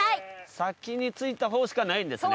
先に着いたほうしかないんですね。